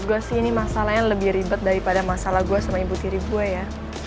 gue sih ini masalahnya lebih ribet daripada masalah gue sama ibu tiri gue ya